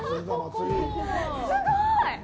すごーい！